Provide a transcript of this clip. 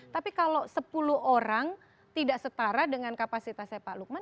tapi kalau sepuluh orang tidak setara dengan kapasitasnya pak lukman